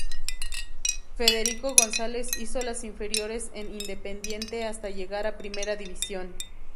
Federico González hizo las inferiores en Independiente hasta llegar a Primera División.